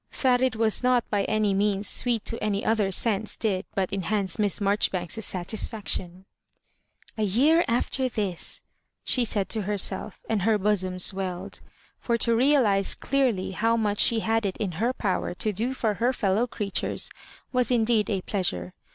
That it was not by any means sweet to any other sense did but enhance Miss Marjoribanks's satisfaction. " A year after this," she said to herself, and her bosom swelled; for to realise clearly how much she had it in her power to do for her fellow creatures was indeed a pleas ure.